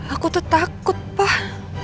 aku tuh takut pak